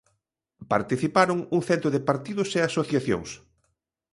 Participaron un cento de partidos e asociacións.